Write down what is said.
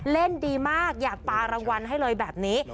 เล่นดีมากอยากปลารางวัลให้เลยแบบนี้